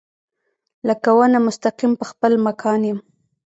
لکه ونه مستقیم پۀ خپل مکان يم